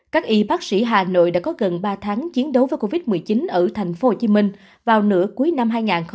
các y bác sĩ hà nội đã có gần ba tháng chiến đấu với covid một mươi chín ở thành phố hồ chí minh vào nửa cuối năm hai nghìn hai mươi một